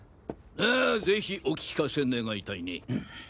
ああぜひお聞かせ願いたいねぇ。